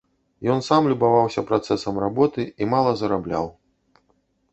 Ён сам любаваўся працэсам работы і мала зарабляў.